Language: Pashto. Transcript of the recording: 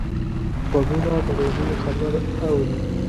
غوږونه د روژې خبر اوري